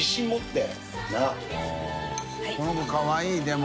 この子かわいいでも。